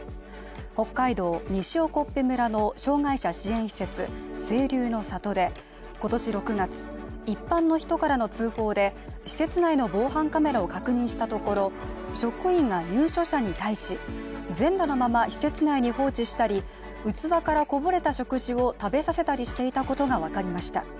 北海道西興部村の障害者支援施設清流の里で、今年６月、一般の人からの通報で施設内の防犯カメラを確認したところ職員が入所者に対し、全裸のまま施設内に放置したり器からこぼれた食事を食べさせたりしていたことが分かりました。